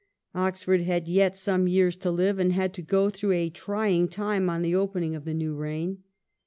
Oxford had yet some years to hve, and had to go through a trying time on the opening of the new reign.